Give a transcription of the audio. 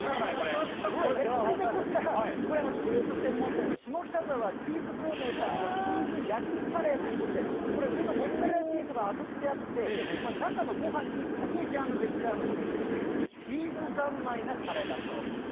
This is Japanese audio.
続いてこちら、これ、チーズ専門店の下北沢チーズ工房さんのチーズ焼きカレーということで、これ、上のモッツァレラチーズがあぶってあって、中のごはんにパルメジャーノ・レッジャーノが入ってるということで、チーズざんまいなカレーだそうです。